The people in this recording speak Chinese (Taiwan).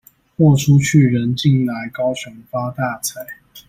貨出去、人進來，高雄發大財！